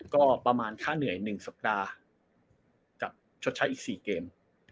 ก็ประมาณค่าเหนื่อย๑สัปดาห์กับชดใช้อีก๔เกม